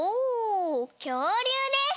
きょうりゅうです！